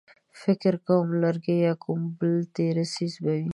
فکر کوم لرګی يا کوم بل تېره څيز به و.